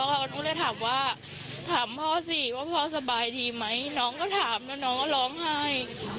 หนูเลยถามว่าถามพ่อสิว่าพ่อสบายดีไหมน้องก็ถามแล้วน้องก็ร้องไห้